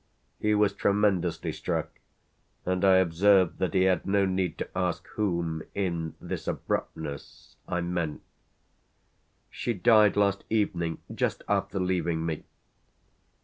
He was tremendously struck, and I observed that he had no need to ask whom, in this abruptness, I meant. "She died last evening just after leaving me."